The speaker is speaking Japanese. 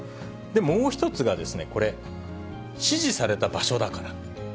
もう１つがこれ、指示された場所だから。